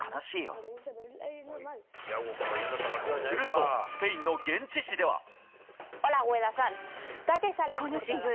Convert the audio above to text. するとスペインの現地紙では。